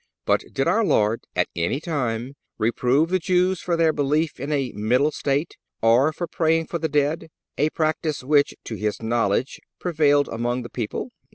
But did our Lord, at any time, reprove the Jews for their belief in a middle state, or for praying for the dead, a practice which, to His knowledge, prevailed among the people?